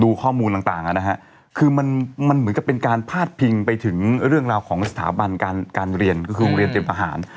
ดุข้อมูลต่างอ่ะนะฮะคือมันเหมือนกับเป็นการพาดพิงไปถึงเรื่องราวของสถาบันการเรียนตเป็นในประหาน